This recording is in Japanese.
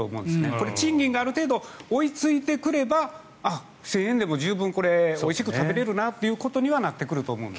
これ賃金がある程度追いついてくればあっ、１０００円でも十分これおいしく食べられるなということにはなってくると思います。